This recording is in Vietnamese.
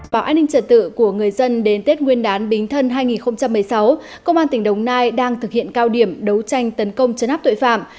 bảo an ninh trật tự của người dân đến tết nguyên đán bính thân hai nghìn một mươi sáu công an tỉnh đồng nai đang thực hiện cao điểm đấu tranh tấn công chấn áp tội phạm